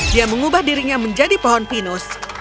dia mengubah dirinya menjadi pohon pinus